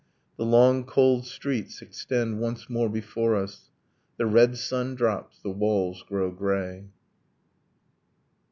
The long cold streets extend once more before us. The red sun drops, the walls grow grey.